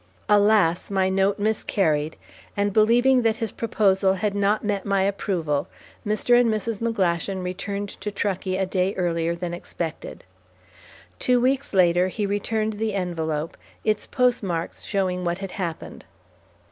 Alas! my note miscarried; and, believing that his proposal had not met my approval, Mr. and Mrs. McGlashan returned to Truckee a day earlier than expected. Two weeks later he returned the envelope, its postmarks showing what had happened.